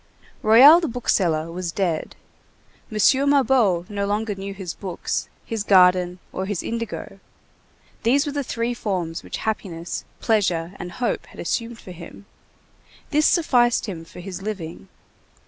Royol the bookseller was dead. M. Mabeuf no longer knew his books, his garden, or his indigo: these were the three forms which happiness, pleasure, and hope had assumed for him. This sufficed him for his living.